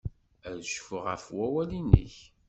Ad cfuɣ ɣef wawal-nnek.